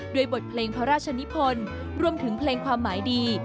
บทเพลงพระราชนิพลรวมถึงเพลงความหมายดี